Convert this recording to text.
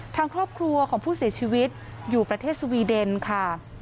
ทางครอบครัวของผู้เสียชีวิตอยู่ประเทศสวีเดนค่ะ